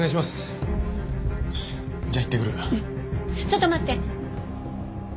ちょっと待って！